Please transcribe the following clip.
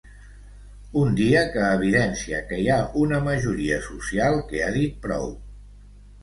Un dia que evidencia que hi ha una majoria social que ha dit prou.